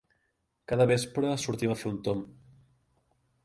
Cada vespre sortim a fer un tomb.